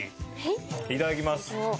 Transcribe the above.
いただきます。